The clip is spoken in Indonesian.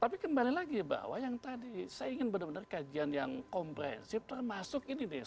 tapi kembali lagi bahwa yang tadi saya ingin benar benar kajian yang komprehensif termasuk ini